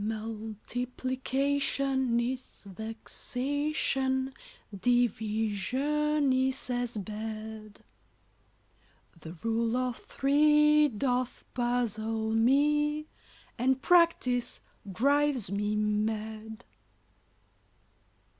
"] Multiplication is vexation; Division is as bad; The Rule of Three doth puzzle me, And Practice drives me mad.